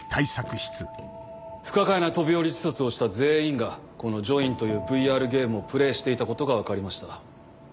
不可解な飛び降り自殺をした全員がこの『ジョイン』というＶＲゲームをプレーしていたことが分かりました。